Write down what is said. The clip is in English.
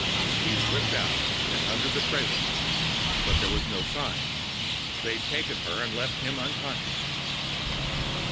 He slipped out, and under the trailer. But there was no sign. They'd taken her, and left him unconscious!